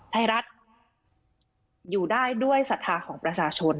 ไทยรัฐอยู่ได้ด้วยศรัทธาของประชาชน